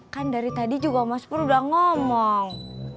kan dari tadi juga mas pur udah ngomong